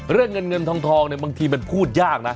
เรื่องเงินเงินทองเนี่ยบางทีมันพูดยากนะ